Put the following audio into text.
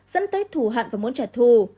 dẫn tới thù hận và muốn trả thù